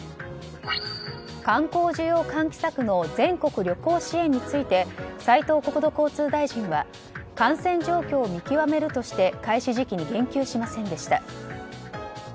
観光需要喚起策の全国旅行支援について斉藤国土交通大臣は感染状況を見極めるとして開始時期に言及しませんでした。